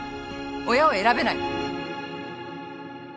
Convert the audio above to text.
親を選べないのよ。